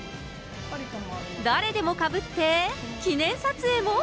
誰でもかぶって、記念撮影も？